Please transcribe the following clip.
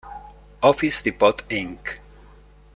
Office Depot Inc.